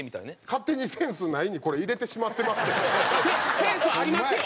勝手に「センスない」にこれ入れてしまってますけどセンスありますよ！